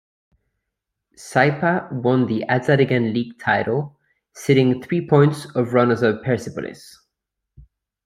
Saipa won the Azadegan League title, sitting three points of runners-up Persepolis.